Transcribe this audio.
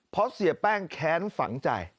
เพราะเสียแป้งแค้นฝังใจ